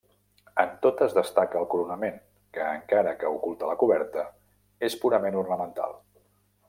En totes destaca el coronament que, encara que oculta la coberta, és purament ornamental.